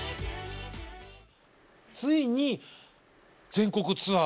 ついに全国ツアーを。